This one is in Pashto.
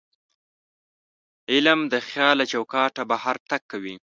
علم د خیال له چوکاټه بهر تګ کوي.